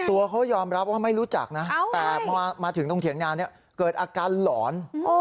ตัวเขายอมรับว่าไม่รู้จักนะแต่พอมาถึงตรงเถียงงานเนี่ยเกิดอาการหลอน